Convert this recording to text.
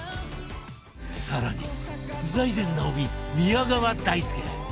更に財前直見宮川大輔